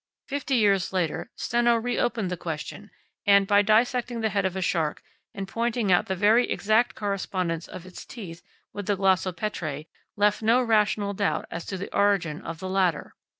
Fifty years later, Steno re opened the question, and, by dissecting the head of a shark and pointing out the very exact correspondence of its teeth with the glossopetrae, left no rational doubt as to the origin of the latter.